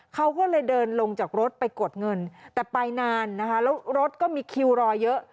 เขาก็เลยเดินลงจากรถไปกดเงินแต่ไปนานนะคะแล้วรถก็มีคิวรอเยอะ